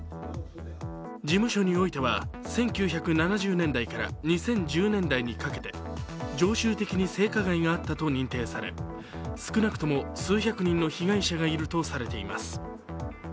事務所においては、１９７０年代から２０１０年代にかけて常習的に性加害があったと認定され少なくとも数百人の被害者がいるとされています。